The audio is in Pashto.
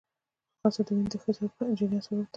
ځغاسته د وینې د ښه جریان سبب ده